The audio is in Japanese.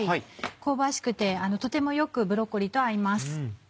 香ばしくてとてもよくブロッコリーと合います。